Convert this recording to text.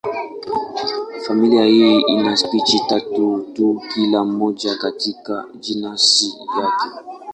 Familia hii ina spishi tatu tu, kila moja katika jenasi yake.